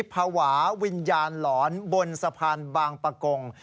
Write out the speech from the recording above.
ภาวะวิญญาณหลอนบนสะพานบางปะกง